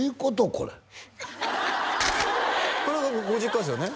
これこれご実家ですよね